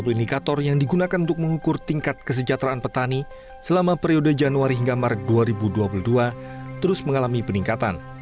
satu indikator yang digunakan untuk mengukur tingkat kesejahteraan petani selama periode januari hingga maret dua ribu dua puluh dua terus mengalami peningkatan